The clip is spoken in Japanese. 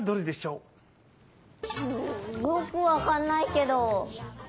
うんよくわかんないけど３ばん？